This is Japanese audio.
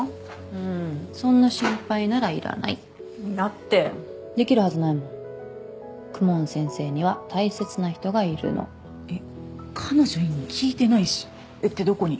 うんそんな心配ならいらないだってできるはずないもん公文先生には大切な人がいるのえっ彼女いんの聞いてないしえっってどこに？